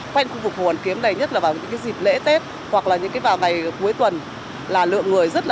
quen khu vực hồ hoàn kiếm nhất là vào những dịp lễ tết hoặc vào ngày cuối tuần lượng người rất